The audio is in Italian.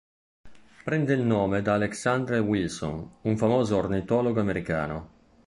Prende il nome da Alexander Wilson, un famoso ornitologo americano.